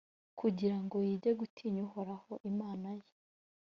kugira ngo yige gutinya uhoraho imana ye,